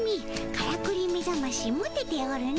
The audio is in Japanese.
からくりめざましモテておるの。